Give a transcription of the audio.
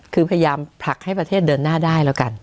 คือพยายามผลักให้ประเทศเดินหน้าได้แล้วกัน